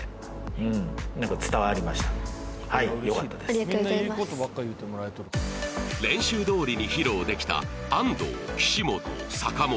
ありがとうございます練習どおりに披露できた安藤岸本坂本